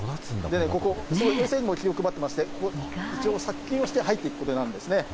ここ、衛生にも気を配ってまして、一応殺菌をして入っていくことになるんですね。